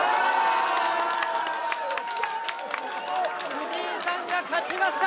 藤井さんが勝ちました。